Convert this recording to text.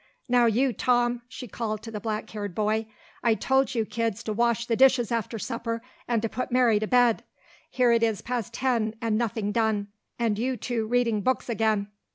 "Now you, Tom," she called to the black haired boy. "I told you kids to wash the dishes after supper and to put Mary to bed. Here it is past ten and nothing done and you two reading books again."